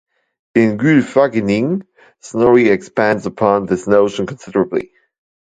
In "Gylfaginning", Snorri expands upon this notion considerably.